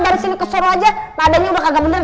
dari sini ke soro aja badannya udah kagak bener